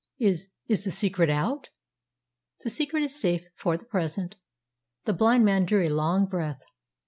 Is is the secret out?" "The secret is safe for the present." The blind man drew a long breath.